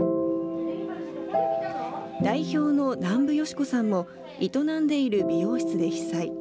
代表の南部芳子さんも、営んでいる美容室で被災。